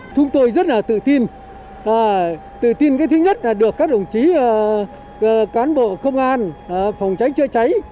chúng tôi rất là tự tin tự tin thứ nhất là được các đồng chí cán bộ công an phòng trái chữa trái